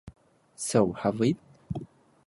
So have we.